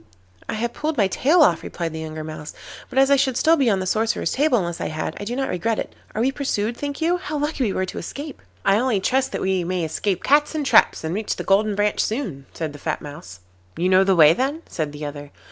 'I have pulled my tail off,' replied the younger Mouse, 'but as I should still be on the sorcerer's table unless I had, I do not regret it. Are we pursued, think you? How lucky we were to escape!' 'I only trust that we may escape cats and traps, and reach the Golden Branch soon,' said the fat Mouse. 'You know the way then?' said the other.